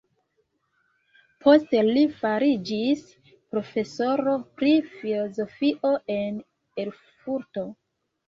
Poste li fariĝis profesoro pri filozofio en Erfurto.